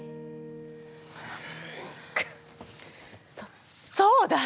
そそうだ！